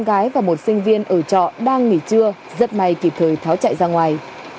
gái và một sinh viên ở trọ đang nghỉ trưa rất may kịp thời tháo chạy ra ngoài